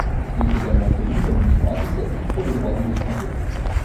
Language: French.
Il est également connu comme militant associatif pour les droits des étrangers.